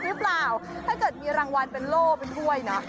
หรือเปล่าถ้าเกิดมีรางวัลเป็นโล่เป็นถ้วยนะ